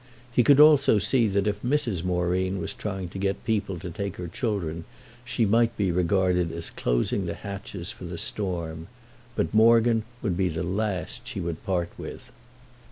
He could also see that if Mrs. Moreen was trying to get people to take her children she might be regarded as closing the hatches for the storm. But Morgan would be the last she would part with.